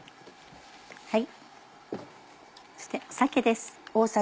そして酒です。